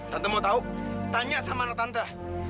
tante mau tahu tanya sama anak tante